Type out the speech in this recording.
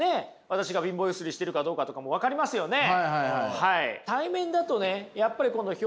私が貧乏揺すりしてるかどうかとかも分かりますよね。